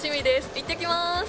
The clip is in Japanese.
行ってきまーす